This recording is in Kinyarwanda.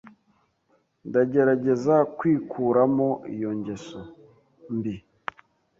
Ndagerageza kwikuramo iyo ngeso mbi.